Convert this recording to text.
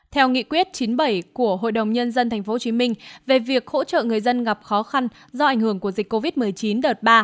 theo nghị quyết chín mươi bảy của hội đồng nhân dân tp hcm về việc hỗ trợ người dân gặp khó khăn do ảnh hưởng của dịch covid một mươi chín đợt ba